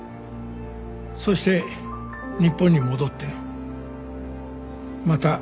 そして日本に戻ってまた彼に会った。